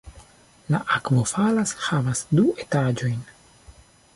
La akvofalo havas du etaĝojn.